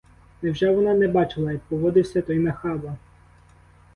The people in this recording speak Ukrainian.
Невже вона не бачила, як поводився той нахаба!